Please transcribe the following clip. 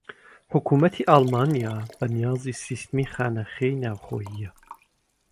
حوکمەتی ئەڵمانیا بەنیازی سیستەمی خانە خوێی ناوەخۆییە